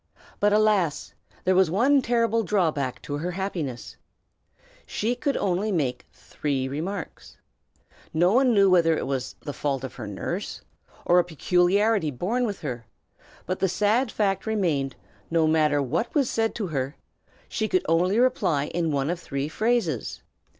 But, alas! there was one terrible drawback to her happiness. She could make only three remarks. No one knew whether it was the fault of her nurse, or a peculiarity born with her; but the sad fact remained, that no matter what was said to her, she could only reply in one of three phrases.